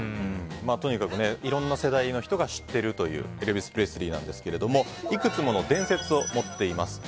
とにかくいろんな世代の人が知っているというエルヴィス・プレスリーですがいくつもの伝説を持っています。